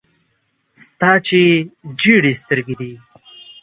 ستا چي ژېري سترګي دې دي .